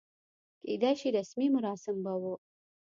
کېدای شي رسمي مراسم به و.